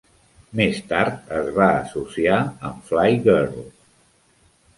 Més tard es va associar amb Fly Girl.